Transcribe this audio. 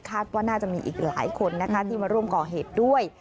ว่าน่าจะมีอีกหลายคนนะคะที่มาร่วมก่อเหตุด้วย